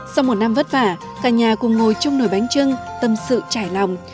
sau một năm vất vả cả nhà cùng ngồi trong nồi bánh trưng tâm sự trải lòng